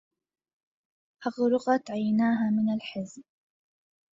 اغرورقت عيناها من الحزن.